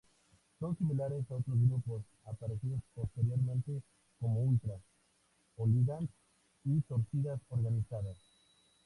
Son similares a otros grupos aparecidos posteriormente como ultras, hooligans y torcidas organizadas.